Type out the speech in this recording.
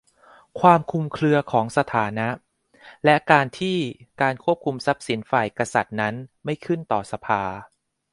ความคลุมเครือของสถานะ และการที่การควบคุมทรัพย์สินฝ่ายกษัตริย์นั้นไม่ขึ้นต่อสภา